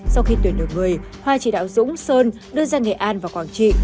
sau khi tuyển được người hoa chỉ đạo dũng sơn đưa ra nghệ an và quảng trị